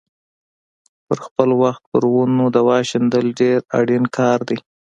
په خپل وخت پر ونو دوا شیندل ډېر اړین کار دی.